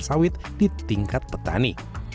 sawit di tingkat petani